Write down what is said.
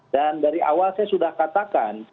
dan dari awal saya sudah katakan